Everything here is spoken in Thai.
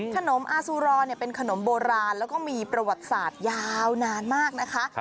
ขนมอาซูรอเป็นขนมโบราณแล้วก็มีประวัติศาสตร์ยาวนานมากนะคะ